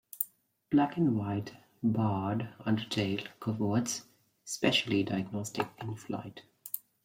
Black-and-white barred undertail coverts especially diagnostic in flight.